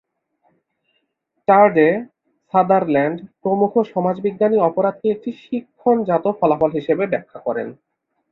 টার্ডে, Sutherland প্রমুখ সমাজবিজ্ঞানী অপরাধকে একটি শিক্ষণজাত ফলাফল হিসেবে ব্যাখ্যা করেন।